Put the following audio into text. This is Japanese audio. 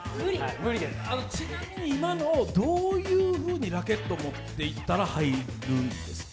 ちなみに今の、どういうふうにラケット持っていたら入るんですか？